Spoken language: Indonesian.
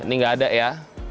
ini tidak ada ya